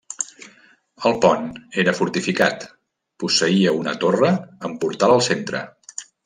El pont era fortificat; posseïa una torre amb portal al centre.